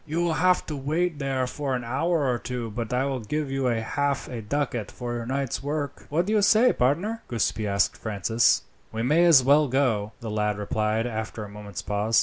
"You will have to wait there for an hour or two, but I will give you half a ducat for your night's work." "What do you say, partner?" Giuseppi asked Francis. "We may as well go," the lad replied after a moment's pause.